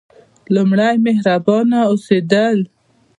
لومړی: مهربانه اوسیدل.